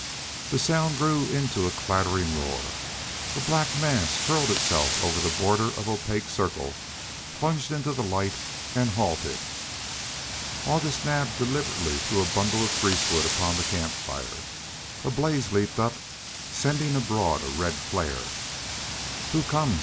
The sound grew into a clattering roar. A black mass hurled itself over the border of opaque circle, plunged into the light, and halted. August Naab deliberately threw a bundle of grease wood upon the camp fire. A blaze leaped up, sending abroad a red flare. "Who comes?"